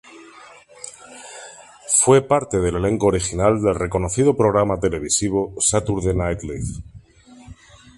Fue parte del elenco original del reconocido programa televisivo "Saturday Night Live".